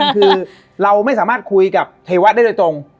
คือเราไม่สามารถคุยกับเทวะได้โดยตรง